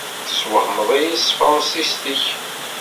Teswehmed-iyi s tefṛensist-nnek.